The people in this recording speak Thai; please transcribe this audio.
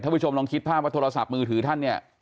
ผู้ชมลองคิดภาพว่าโทรศัพท์มือถือท่านเนี่ย